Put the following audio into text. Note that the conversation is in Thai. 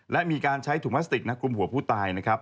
และมีการใช้ถุงพลาสติกนักคลุมหัวผู้ตายนะครับ